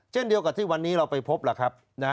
เช่นเดียวกับที่วันนี้เราไปพบล่ะครับ